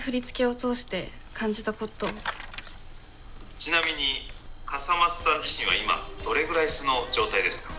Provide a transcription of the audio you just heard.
「ちなみに笠松さん自身は今どれぐらい素の状態ですか？」。